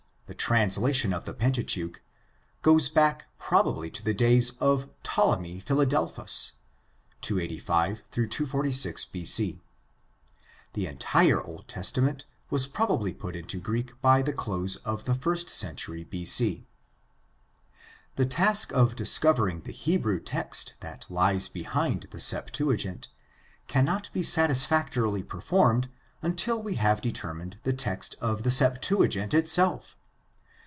the translation of the Pentateuch, goes back probably to the days of Ptolemy Philadelphus (285 246 B.C.). The entire Old Testament was probably put into Greek by the close of the first century B.C. The task of discovering the Hebrew text that lies behind the Septuagint cannot be satisfactorily performed until we have determined the text of the Septuagint itself.